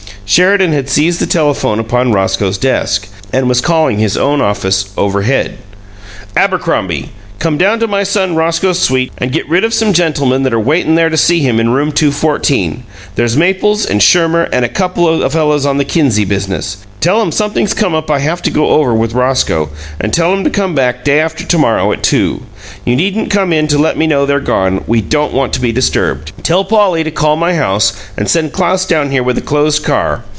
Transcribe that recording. Sheridan had seized the telephone upon Roscoe's desk, and was calling his own office, overhead. "Abercrombie? Come down to my son Roscoe's suite and get rid of some gentlemen that are waitin' there to see him in room two fourteen. There's Maples and Schirmer and a couple o' fellows on the Kinsey business. Tell 'em something's come up I have to go over with Roscoe, and tell 'em to come back day after to morrow at two. You needn't come in to let me know they're gone; we don't want to be disturbed. Tell Pauly to call my house and send Claus down here with a closed car.